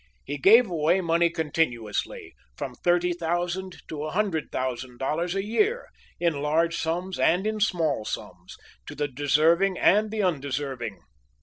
He gave away money continuously, from thirty thousand to a hundred thousand dollars a year, in large sums and in small sums, to the deserving and the undeserving.